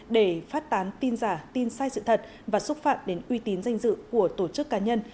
để phát tán tin giả tin sai sự thật và xúc phạm đến uy tín danh dự của tổ chức cá nhân